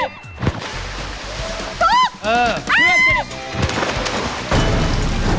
ถูก